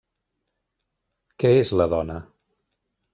Què és la dona?